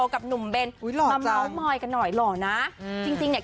กับหนุ่มเบนน่าน่ะจริงจริงเนี่ย